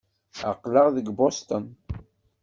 Aql-aɣ deg Boston.